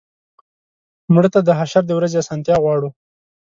مړه ته د حشر د ورځې آسانتیا غواړو